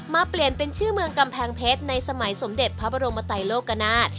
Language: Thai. เปลี่ยนเป็นชื่อเมืองกำแพงเพชรในสมัยสมเด็จพระบรมไตโลกนาฏ